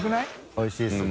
おいしいですね。